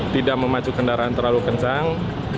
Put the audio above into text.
tidak memacu kendaraan terlalu kencang